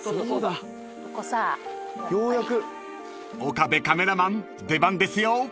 ［岡部カメラマン出番ですよ］